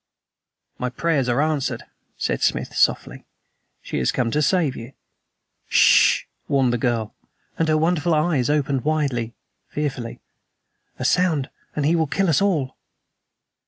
"My prayers are answered," said Smith softly. "She has come to save YOU." "S sh!" warned the girl, and her wonderful eyes opened widely, fearfully. "A sound and he will kill us all."